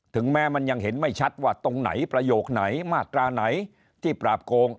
แม้มันยังเห็นไม่ชัดว่าตรงไหนประโยคไหนมาตราไหนที่ปราบโกง